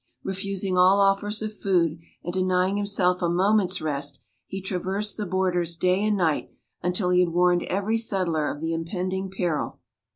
Refusing all offers of food, and denying himself a moment's rest, he traversed the borders day and night until he had warned every settler of the impending peril.